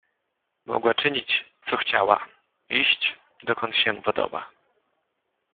Mogła czynić, co chciała, iść, dokąd się podoba…